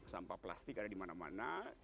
sampah plastik ada di mana mana